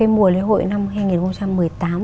mùa lễ hội năm hai nghìn một mươi tám